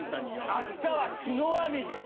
明日は血の雨です。